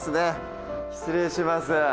失礼します。